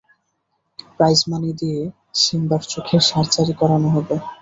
Prize money দিয়ে সিম্বার চোখের surgery করানো হবে।